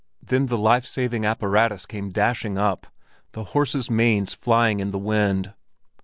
Then the life saving apparatus came dashing up, the horses' manes flying in the wind.